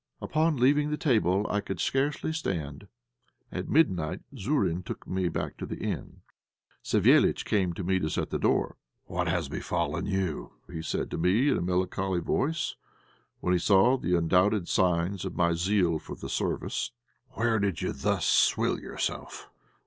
Upon leaving the table I could scarcely stand. At midnight Zourine took me back to the inn. Savéliitch came to meet us at the door. "What has befallen you?" he said to me in a melancholy voice, when he saw the undoubted signs of my zeal for the service. "Where did you thus swill yourself?